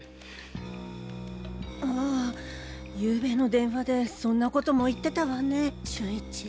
ああゆうべの電話でそんなことも言ってたわね峻一。